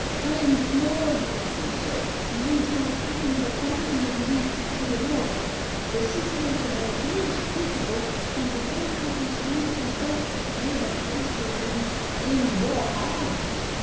"I implore you," he said, "to lose no time in accompanying me to Pianura. The situation there is critical and before now his Highness's death may have placed the reins in your hands."